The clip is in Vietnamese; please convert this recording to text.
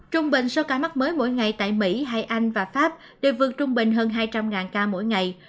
trung bình số ca mắc mới mỗi ngày tại mỹ hay anh và pháp đều vượt trung bình hơn hai trăm linh ca mỗi ngày